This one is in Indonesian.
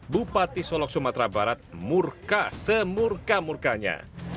bupati solok sumatera barat murka semurka murkanya